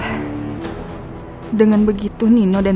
aku titik perang tim iniinkan